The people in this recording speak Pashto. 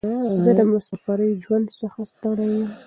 زه د مساپرۍ ژوند څخه ستړی یم.